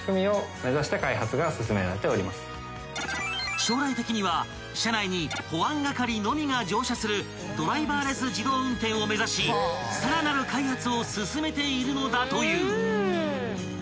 ［将来的には車内に保安係のみが乗車するドライバーレス自動運転を目指しさらなる開発を進めているのだという］